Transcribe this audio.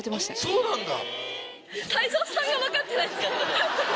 そうなんだ！